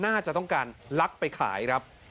น่าจะต้องการลักไปขายครับ